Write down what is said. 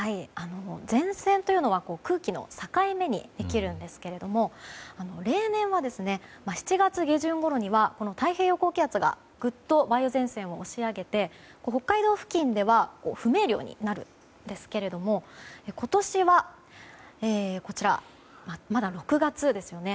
前線というのは空気の境目にできるんですが例年は７月下旬ごろには太平洋高気圧がぐっと梅雨前線を押し上げて北海道付近では不明瞭になるんですけれども今年は、まだ６月ですよね。